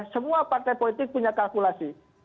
semua partai politik punya kalkulasi